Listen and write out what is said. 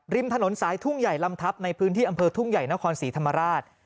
ริมถนนสายทุ่งใหญ่ลำทับในพื้นที่อำเภอทุ่งใหญ่นครศรีธรรมราช